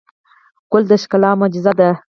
ګل د ښکلا معجزه ده.